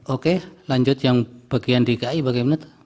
oke lanjut yang bagian dki bagaimana